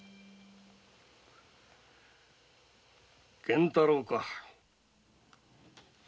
玄太郎か？